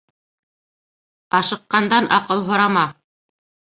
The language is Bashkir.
Ашыҡҡандан аҡыл һорама.